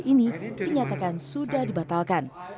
ini dinyatakan sudah dibatalkan